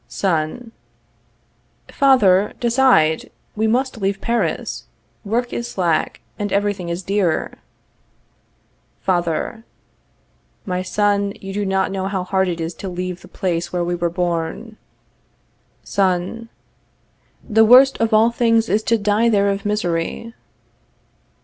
_ Son. Father, decide; we must leave Paris. Work is slack, and everything is dear. Father. My son, you do not know how hard it is to leave the place where we were born. Son. The worst of all things is to die there of misery.